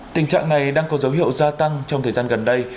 tình trạng này đang có dấu hiệu gia tăng trong thời gian gần đây